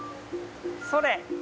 それ！